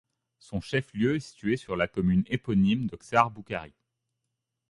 Son chef-lieu est situé sur la commune éponyme de Ksar Boukhari.